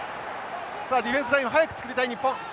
さあディフェンスラインを早く作りたい日本。